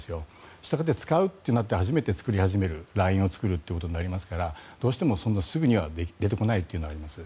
したがって使うとなって初めて作り始めるラインを作るということになりますからどうしてもすぐに出てこないというのがあります。